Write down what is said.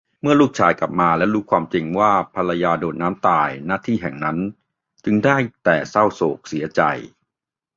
เมื่อลูกชายกลับมาและรู้ความจริงว่าภรรยาโดดน้ำตาย ณ ที่แห่งนั้นจึงได้แต่ เศร้าโศกเสียใจ